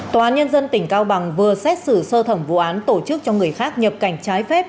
tòa án nhân dân tỉnh cao bằng vừa xét xử sơ thẩm vụ án tổ chức cho người khác nhập cảnh trái phép